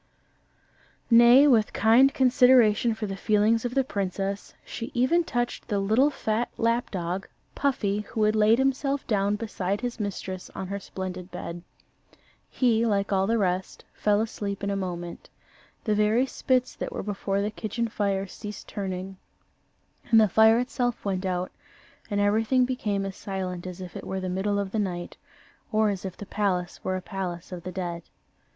Nay, with kind consideration for the feelings of the princess, she even touched the little fat lap dog, Puffy, who had laid himself down beside his mistress on her splendid bed. He, like all the rest, fell fast asleep in a moment. The very spits that were before the kitchen fire ceased turning, and the fire itself went out, and everything became as silent as if it were the middle of the night, or as if the palace were a palace of the dead.